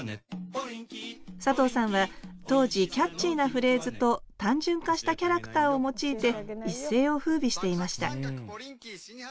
佐藤さんは当時キャッチーなフレーズと単純化したキャラクターを用いて一世をふうびしていました